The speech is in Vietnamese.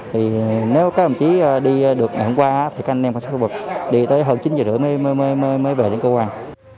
thì nếu các đồng chí đi được ngày hôm qua thì các anh em có thể đi tới hơn chín giờ rưỡi mới về đến cơ quan